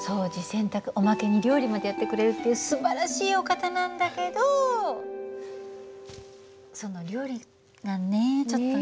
洗濯おまけに料理までやってくれるっていうすばらしいお方なんだけどその料理がねちょっとね。